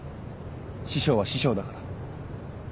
師匠は師匠だから。